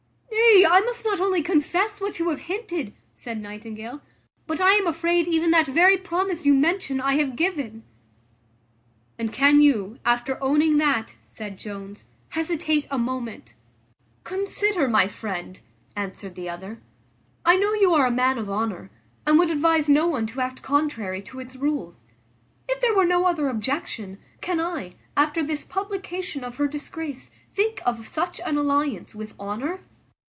"Nay, I must not only confess what you have hinted," said Nightingale; "but I am afraid even that very promise you mention I have given." "And can you, after owning that," said Jones, "hesitate a moment?" "Consider, my friend," answered the other; "I know you are a man of honour, and would advise no one to act contrary to its rules; if there were no other objection, can I, after this publication of her disgrace, think of such an alliance with honour?"